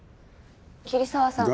桐沢さん。